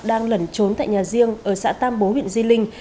đang lẩn trốn tại nhà riêng ở xã tam bố huyện di linh